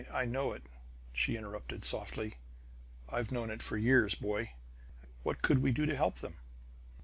"I know it," she interrupted softly. "I've known it for years, boy. What could we do to help them?"